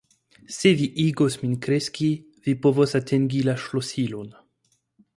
Se vi igos min kreski, mi povos atingi la ŝlosilon.